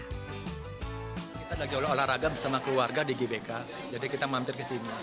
kita lagi olahraga bersama keluarga di gbk jadi kita mampir ke sini